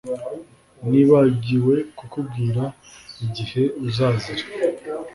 Nibagiwe kukubwira igihe uzazira